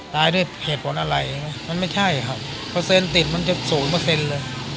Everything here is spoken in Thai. ตายด้วยเหตุผลอะไรใช่ไหมมันไม่ใช่ครับเปอร์เซ็นต์ติดมันจะสูงเปอร์เซ็นต์เลย